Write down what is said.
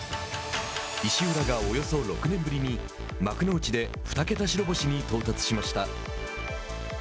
石浦がおよそ６年ぶりに幕内で二桁白星に到達しました。